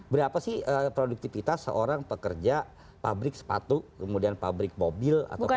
berapa sih produktivitas seorang pekerja pabrik sepatu kemudian pabrik mobil atau pabrik